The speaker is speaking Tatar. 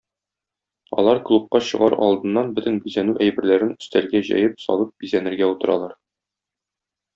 Алар клубка чыгар алдыннан бөтен бизәнү әйберләрен өстәлгә җәеп салып бизәнергә утыралар.